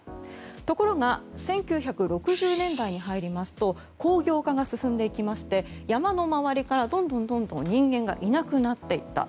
ところが１９６０年代に入りますと工業化が進んでいきまして山の周りからどんどんと人間がいなくなっていった。